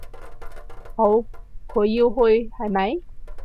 好，佢要去，係咪？